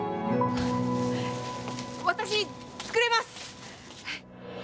私、作れます。